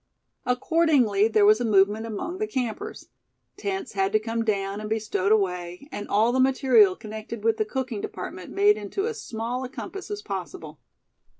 Accordingly there was a movement among the campers. Tents had to come down, and be stowed away; and all the material connected with the cooking department made into as small a compass as possible.